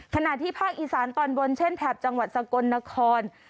ขณะที่ภาคอีสานตอนบนเช่นแถบจังหวัดสกลนคร